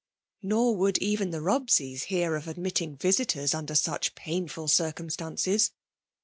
Nor would even the Robseys hear of admitting visitors under such painful circumstances.